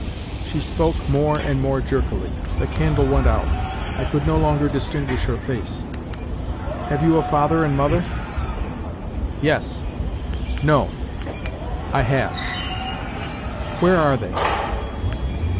She spoke more and more jerkily. The candle went out ; I could no longer distinguish her face. " Have you a" father and mother ?" 120 NOTES FROM UNDERGROUND " Yes ... no ... I have." " Where are they